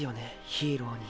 ヒーローに。